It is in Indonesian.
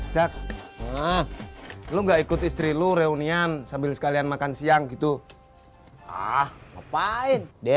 jak lu nggak ikut istri lu reunian sambil sekalian makan siang gitu ah ngapain dia